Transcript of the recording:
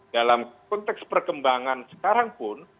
dalam konteks perkembangan sekarang pun